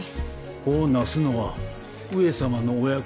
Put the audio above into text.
子をなすのは上様のお役目。